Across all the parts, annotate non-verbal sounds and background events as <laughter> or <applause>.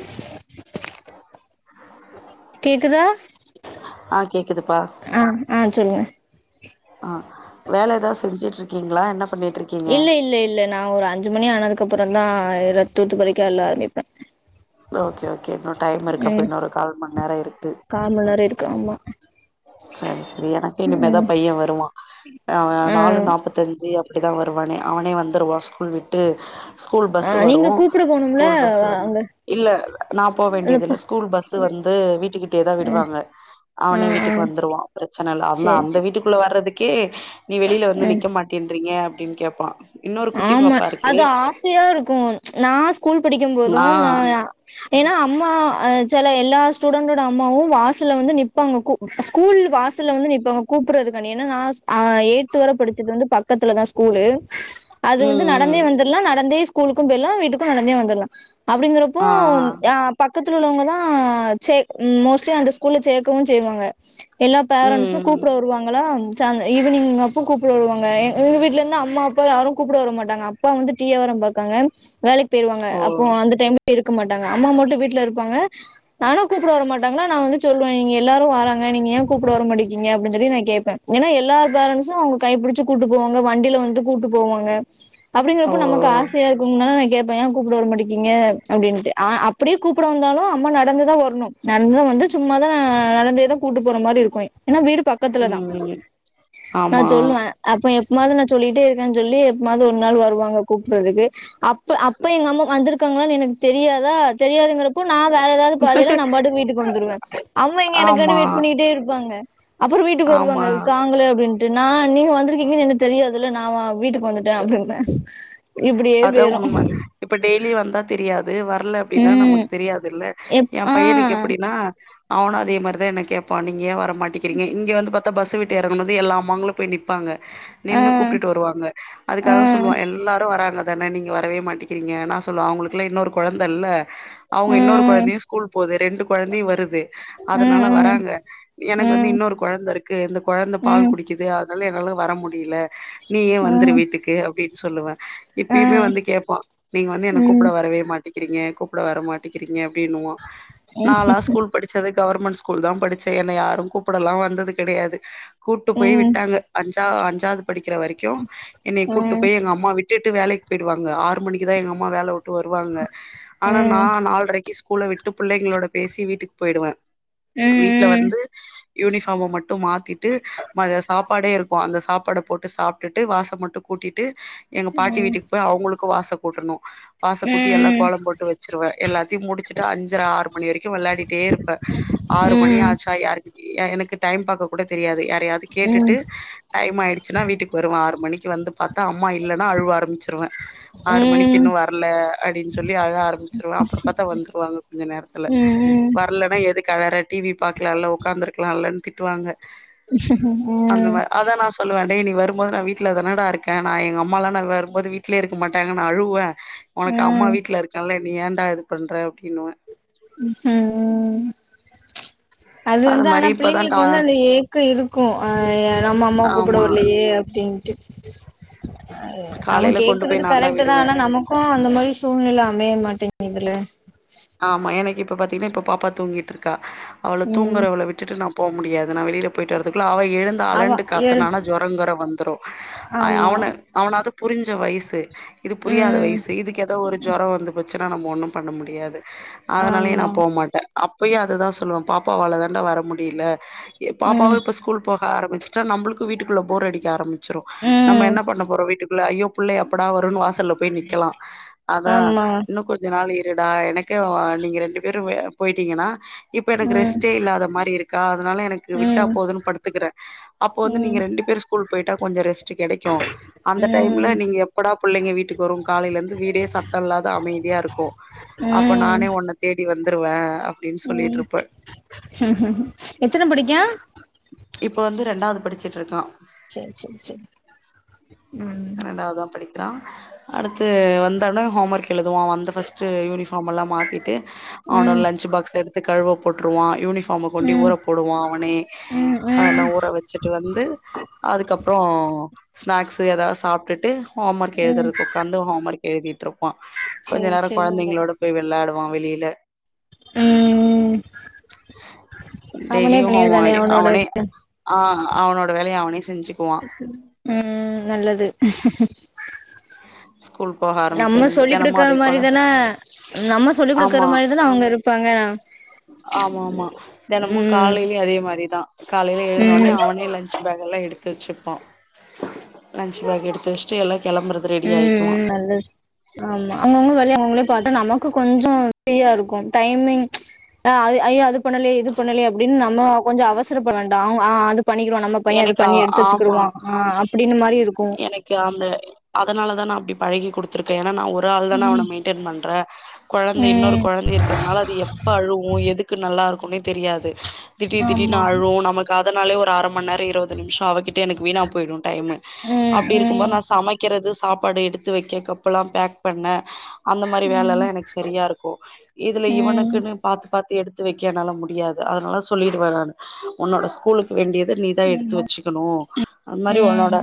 <inaudible> கேக்குதா ஆ கேக்குதுப்பா ஆ ஆ சொல்லுங்க ஆ வேல ஏதா செஞ்சுட்டிரிக்கீங்களா என்ன பண்ணிட்ருக் இல்ல இல்ல இல்ல நா ஒரு அஞ்சு மணி ஆனதுக்கப்பறோ தா அ தூத்து பறிக்க எல்லா ஆரம்மிப்ப ஓகே ஓகே இன்னு டைம் இருக்கு அப்ப இன்னொரு கால் மண்நேர இருக்கு கா மண்நேர இருக்கு ஆமா சரி சரி எனக்கு இனிமே தா ம் பைய்ய வருவா அவ ஆ நாலு நாப்பத் தஞ்சு அப்டிதா வருவானே அவனே வந்துருவா ஸ்கூல் விட்டு ஸ்கூல் பஸ்சு வரு போனும்ல்ல ஸ்கூல் பஸ் வ வந்து அங்க இல்ல நா போ அதப்பா வேண்டிதில்ல ஸ்கூல் பஸ்சு வந்து வீட்டுக்கிட்டயே தா விடுவாங்க ஆ அவனே ஆ வீட்டுக்கு வந்துருவா பிரெச்சன இல்ல அந்த சேரி அந்த சேரி வீட்டுக்குள்ள வர்றதுக்கே நீ வெளில ஆ வந்து நிக்க மாட் டேன்றிங்க அப்டின் கேப்பா இன்னொரு குட்டி பாப்பா இருக்கு ஈசியா இருக்கு நா ஸ்கூல் படிக்கும்போது ஆ நா ஏனா அம்மா அ செல எல்லா ஸ்டுடண்டோட அம்மாவு வாசல்ல வந்து நிப்பாங்க கூ ஸ்கூல் வாசல்ல வந்து நிப்பாங்க கூப்பட்றதுக்கான்டி எனா நா ஸ் அ எய்த்து வர படிச்சது வந்து பக்கத்துல தா ஸ்கூல்லு அது ம் வந்து நடந்தே ம் வந்துர்லா நடந்தே ஸ்கூலுக்கு போயிட்லா வீட்டுக்கு நடந்தே வந்துர்லா அப்டிங்கறப்போ ஆ ஆ பக்கத்துல உள்ளவாங்க தா சே ம் மோஸ்லி அந்த ஸ்கூல்ல சேக்கவு செய்வாங்க எல்லா பேரன்ஸ்சு ம் ம் கூப்ட வருவாங்களா ச்சாங்க ஈவினிங் அப்ப கூப்ட வருவாங்க எ எங்க வீட்லேருந்து அம்மா அப்பா யாரு கூப்ட வர மாட்டாங்க அப்பா வந்து டீ யாவரம் பாக்காங்க வேலைக் பேய்ருவாங்க ஓ அப்போ அந்த டைம் இருக்க மாட்டாங்க அம்மா மட்டு வீட்ல இருப்பாங்க நானு கூப்புட வரட்டாங்களா நா வந்து சொல்லுவ நீங்க எல்லாரு வராங்க நீங்க ஏன் கூப்ட வரமாட்டிகிங்க அப்டின் சொல்லி நா கேப்ப ஏனா எல்லாரு பேரண்ஸ்சு அவங்க கைப்பிடிச்சி கூட்டு போவங்க வண்டில வந்து கூட்டு போவாங்க ஓ அப்டிங்கிறப்போ நமக்கு ஆஸ் சையா இருக்கும் தான நா கேப்பே ஏ கூப்ட வர மாட்டிகிங்க அப்டின்ட்டு ஆ அப்டியே கூப்ட வந்தாலு அம்மா நடந்துதா வரணு நடந்துதா வந்து சும்மாதா நடந்தே தா கூட்டு போற மாரி இருக்கு ஏனா வீடு பக் பக்கத்துல தா ம் நா ஆமா சொல்லுவ அப்ப எப்மாது நா சொல்லிட்டே இருக்கேன் சொல்லி எப்மாவது ஒரு நாள் வருவாங்க கூப்டறதுக்கு அப் ப அப்ப எங்க அம்மா வந்துருக்காங்களான் எனக்கு தெரியாதா தெரியாதுங்கிறப் ப்போ நா வேற ஏதாது பாதைல நா பாட்டுக்கு வீட்டுக்கு வந்துருவ அம்மா இங்க எனக்காண்டி ஆமா வெயிட் பண்ணிட்டே இருப்பாங்க அப்றோ வீட்டுக்கு ஆமா வருவாங்க காங்கள அப்டின் ட்டு நா நீங்க வந்திருக்கீங்கன் எனக் தெரியாதுல்ல நா வா வீட்டுக்கு வந்துட்ட அப்டின்னு இப்டியே அதா பேயிரு உண்ம இப்ப டெய்லி வந்தா தெரியாது வர்ல ப்டின்னா ம் நமக் தெரியாதுல்ல எப் என் ஆ பையனுக்கு எப்டின்னா அவனு அதே மாரி தா என்ன கேப்பா நீங்க ஏ வரமாட்டிக்கிறங்க இங்க வந்து பாத்தா பஸ்ச வீட்டு எறங்கணும் போது எல்லா அம்மாங்களு போய் நிப் ப்பாங்க நின்னு ஆ கூப்பிட்டு வருவாங்க அதுக்காக ம் சொல்லுவா எல்லா வராங்க தான நீங்க வரவே மாட்டிக்கிறீங்க நா சொல்லுவ அவங்களுக்குல்லா இன்னொரு கொழந்த இல்ல அவங்க இன்னொரு ம் கொழந்தையு ஸ்கூல் போது ரெண்டு கொழந்தையு வருது அதனால ம் வராங்க எனக்கு வந்து ம் ம் இன்னொரு கொழந்த இருக்கு இந்த கொழந்த பால் குடிக்குது அதனால என்னால வர முடியல நீயே வந்துரு ம் வீட்டுக்கு அப்டினு சொல்லுவ ஆ இப்பயுமே வந்து கேப்பா நீங்க வந்து என்ன கூப்பிட ம் வரவே மாட்டிக்கிறீங்க கூப்பிட வர மாட்டிகிறீங்க அப்டின்னுவா நாலா ஸ்கூல் படிச்சது கவர்மெண்ட் ஸ்கூல் தா படிச்ச என்ன யாரு கூப்பிடல்லா வந்தது கெடையாது கூட்டு போய் ம் ம் விட்டாங்க அஞ்சா அஞ்சாவது படிக்கிற வரைக்கு என்னை ம் கூட்டு ம் போய் எங்க அம்மா விட் விட்டுட்டு வேலைக்கு போயிடுவாங்க ஆறு டு மணிக்கு தா எங்க அம்மா வேலை விட்டு வருவாங்க ம் ம் ம் ம் ஆனா நான் நால்ரைக்கு ஸ்கூல விட் ட்டு புள்ளைங்களோட பேசி வீட்டுக்கு போயிடுவே ம் வீட்ல வந்து யூனிஃபார்ம மட்டு மாத்திட்டு மதி சாப்பாடே இருக்கு அந்த சாப்பாட போட்டு சாப்ட்டுட்டு வாச மட்டு கூட்டிட்டு எங்க பாட்டி வீட்டுக்கு போய் அவங்களுக்கு வாச கூட்டணு வாச கூட்டி எல்லா கோலம் போட்டு வச்சிருவே எல்லாத்தையு முடிச்சுட்டு அஞ்சர ஆறு மணி வரைக்கு வெளையாடிட்டே இருப்ப ஆறு மணி ஆச்சா யாருக்கு எனக்கு டைம் பாக்க கூட தெரியாது யாரையாவது கேட்டுட்டு டைம் ஆயிடுச்சுன்னா வீட்டுக்கு வருவ ஆறு மணிக்கு வந்து பாத்தா அம்மா இல்லைன்னா அழுவ ஆரம்பிச்சிருவ ஆறு மணிக்கு ம் இன்னு வரல அப்டின் சொல்லி அழ ஆரம்பிச்சிருவ அப்புற பாத்தா வந்துருவாங்க கொஞ்ச நேரத்துல ம் வரலனா எதுக் அழற டிவி பாக்கலாம்ல உக்காந்துருக்கலால இலன் திட்டுவாங்க அந்த மாரி அதா நா சொல்லுவ டேய் நீ வரும்போது நா வீட்ல தானடா இருக்க நா எங்க அம்மா அம்மாலா நா வரும்போது வீட்லய இருக்க மாட்டாங்க நா அழுவ ஒனக்கு அம்மா ம் வீட்ல இருக்கன்ல நீ ஏன்டா இது பண்ற அப்டினுவ ம் அது வந்து ஆனா மாரி இப்பதா டா பிள்ளைங்களுக்கு வந்து அந்த ஏக்க இருக்கு அ நம்ம அம்மா கூப்பிட ஆமா வரலையே அப்டின் டு அவ காலைல கொண்டு கேக்குறது போய் நா கரெக்ட் தா விடுவே ஆனா நமக் கு அந்த மாதிரி சூழ்நில அமைய மாட்டேங்குதுல ஆமா எனக்கு இப்ப பாத்தீங்ன்னா இப்ப பாப்பா தூங்கிட்டு இருக்கா அவள ம் தூங்கறவள விட்டுட்டு போ முடியாது நா வெளியில போயிட்டு வரதுக்குள்ள அவ எழுந்து அவ அலண்டு கத் எழு த்துனான ஜொரோ கிரோ வந்திரு ஆமா அவனாது புரிஞ்ச வயசு இது புரியாத ம் வயசு இதுக்கு ஏதோ ஒரு ஜொரோ வந்துப் ச்சனா நம்ம ஒன்னு பண்ண முடியாது அதனாலயே நா ஆமா போ மாட்ட அப்பயு அததா சொல்லுவ பாப்பாவாள தாண்டா வர முடியல ம் பாப்பாவு இப்ப ஸ்கூல் போக ஆரம்பிச் சா நம்பளுக்கு வீட்டுக்குள்ள போர் அடிக்க ஆரம்பிச்சிடு நம்ம ம் என்ன பண்ண போறோ வீட்டுக்குள்ள ஐயோ புள்ள எப்படா வருன்னு வாசல்ல போய் நிக்கலா அதா ஆமா இன்னு கொஞ்ச நாள் இருடா எனக்கு நீங்க ரெண்டு பேரு போயிட்டீங்கன்னா இப்ப எனக்கு ம் ரெஸ்டே இல்லாத மாரி இருக் க்கா அதனால எனக்கு விட்டா ம் போதுன் படுத்துக்கிற அப்ப வந்து நீங்க ம் ரெண்டு பேர் ஸ்கூல் போயிட்டா கொஞ்சோ ரெஸ்ட் கெடைக் கு அந்த டைம்ல ம் நீங்க எப்படா புள்ளைங்க வீட்டுக்கு வரு காலையில இருந்து வீடே சத்த இல்லாத அமைதியா இருக்கு அப்ப நானே ஒன்ன தேடி வந்துருவ அப் ம் ம் எத்தன படிக்கா இப்ப வந்து ரெண்டாவது படிச்சுட்டு இருக்கா செரி செரி செரி ம் ரெண்டாவதா படிக் கா அடுத்து வந்தானா ஹோம் ஒர்க் எழுதுவா வந்த ஃபஸ்ட்டு யூனிஃபாம் எல்லா மாத் திட்டு அவனோ ம் லன்ச் பாக்ஸ் எடுத்து கழுவ போட்ருவா யூனிஃபா நாம கொண்டி ம் ஊற போடுவான் அவனே ம் ம் அதெல்லாம் ஊற வச்சுட் ட்டு வந்து அதுக்கப்றோ ஸ்நாக்ஸ் எதாது சாப்டுட்டு ஹோம் ஒர்க் ம் எழுதுறது உக்காந்து ஹோம் ஒர்க் எழுதிட்ருப்பா கொஞ்சோ சேரி நேர சேரி கொழந்தைங்களோட போய் வெளாடுவா வெளியில ம் அவனே டெய்லியு ஹோமோ பண்ணிருதானே அவனோட அவனே ஆ அவனோட வேலைய அவனே செஞ்சுக்குவா ம் ம் நல்லது ஸ்கூல் போக நம்ம ஆரம்பிச்சலருந்து சொல்லி் தெனமு குடுக்கற அதே போல மாறிதான நம்ம சொல்லி் குடுக்கற ஆமா மாறிதான அவங்க இருப்பாங்க ஆமா ஆமா தெனமு ம் காலையில அதே மாரிதா காலையில ம் எழுந்தோனே அவனே லன்ஞ்ச் பேகல்லா எடுத்து வச்சுப்பா லன்ச் பேக் எடுத்து வஸ் சி எல்லா கெளம்பு ம் ம் நல்ல விஸ் ஆமா அவங்கவங்க வேலைய அவங்ளே பாத்தா நமக்கு கொஞ்சோ ஃப்ரீயா இருக்கு டைமிங் ஆ அது ஐயோ அது பண்ணலயே இது பண்ணலயே அப்டின் நம்ம கொஞ்சோ அவசர பட வேண்டா ஆ ஆ அது பண்ணிக்கிடுவா நம்ம பையன் அது எனக்கு பண்ணி எடுத்து ஆமா வச்சுக்குடுவா ஆ அப்டின்னு மாரி இருக்கு எனக்கு அந்த அதனாலதா நா அப்டி பழகி குடுத்திருக்கே ஏன்னா நா ஒரு ஆள் தான நா அவன ம் மெயின்டென் பண்றே கொழந்த இன்னொரு ம் கொழந்த இருக்கிறதுனால அது எப்ப அழுவு எதுக்கு நல்லா இருக்குன்னே தெரியாது திடீர் திடீர்னு ஆமா அழு நமக்கு அதனாலே ஒரு அர மந்நேரோ இருவது நிம்ஷோ அவகிட்டயே எனக்கு வீணா போய்டு டைமு ம் அப்டி இருக்குபோது ம் நா சமைக்கிறது சாப்பாடு எடுத்து வைக்க கப்பல்லா பேக் பண்ண அந்த மாரி வேலை எல்லா எனக்கு சரியா இருக்கு இதுல ம் இவனுக்குன்னு பாத்து பாத்து எடுத் த்து வைக்க என்னால முடியாது அதனால சொல்லிடுவ நானு உன்னோட ஸ்கூலுக்கு வேண்டிய த நீதா எடுத்து ஆமா வச்சுக்கணு அந்மாறி உன்னோட ம்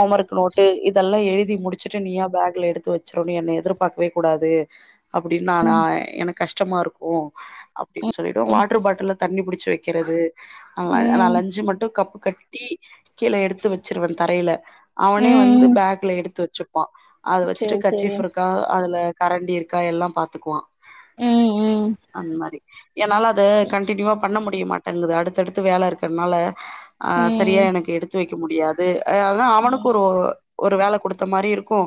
ஹோம் ஓர்க் நோட்டு இதெல்லா எழுதி முடிச்சிட்டு நீயா பேக்ல எடுத்து வச்சிரனு என்ன எதிர்பாக்கவே கூடாது அப்டின் நானா எனக்கு கஷ்டமா இருக்கு அப் அப்டின் சொல்லிடுவ வாட்டர் பாட்டில தண்ணி புடிச்ச வைக்கிறது ஆ நா ம் லஞ்சு மட்டு கப் கட் டி கீழ எடுத்து வச்சிருவ தரையில அவனே வந்து ம் பேக்ல எடுத்து வச்சுப்பா அத வச்சுட்டு சேரி சேரி கர்ச்சிஃப் இருக்கா அதுல கரண்டி இருக்கா எல்லா பாத்துக்குவா ம் ம் அந்மாறி என்னால அத சேரி கண்டினியூவா பண்ண முடிய மாட் டங்குது அடுத்தடுத்து வேல இருக்கனால அ சரியா ம் எனக்கு எடுத்து வைக்க முடியாது ஆ அதான் அவனுக்கு ம் ஒரு ஒரு வேல குடுத்த மாரி இரு க்கு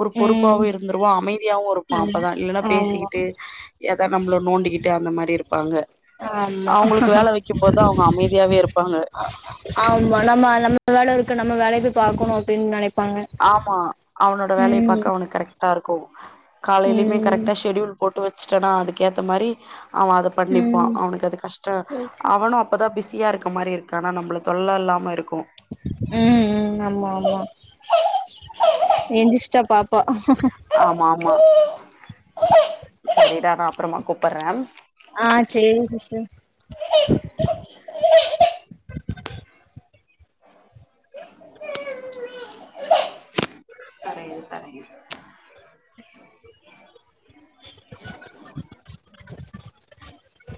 ஒரு பொறுப்பாவு ம் இருந்துருவா அமைதியாவு இருப்பா ஆமா அப்பதா இல்லன்னா ஆமா பேசிக்கிட்டு எதா நம்ள நோண்டிக்கிட்டு அந்த மாரி இரு ப்பாங்க ஆமா அவங்களுக்கு வேல வைக்கு போதுதா அவங்க அமைதியாவே இருப்பாங்க ஆமா நம்ம நம்ம வேல இருக்கு நம்ம வேலைய போய் பாக்கணு அப்டின் நெனைப்பாங்க ஆமா அவனோட வேலைய ம் பாக்க அவனுக்கு கரெக்டா இருக்கு காலைலயுமே ம் கரெக்டா ஷெடியூல் போட்டு வச்டனா அதுக்கேத்த மாறி அவ அத பண்ணிப்பா ம் அவனுக் அது கஷ்ட சேரி சேரி அவனு அப்பதா பிஸியா இருக்க மாரி இருக்கா ஆனா நம்ள தொல்ல இல்லாம இருக்கு ம் ம் ஆமா ஆமா எந்திஸ்ட்டா பாப்பா ஆமா ஆமா இடா நா அப்றமா கூப்பறே ஆ சேரிங் சிஸ்டர் தரே இரு தரே இரு <inaudible>